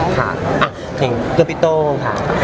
อ้ะเห็นกระปิปโต่งค่ะ